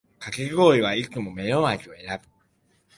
かき氷はいつもメロン味を選ぶ